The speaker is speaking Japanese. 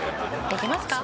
「できますか？」